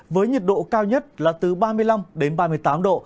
với nhiệt độ cao nhất là từ ba mươi năm đến ba mươi tám độ